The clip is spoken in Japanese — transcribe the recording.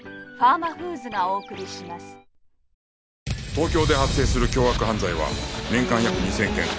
東京で発生する凶悪犯罪は年間約２０００件